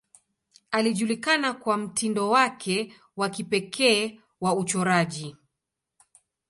Alijulikana kwa mtindo wake wa kipekee wa uchoraji.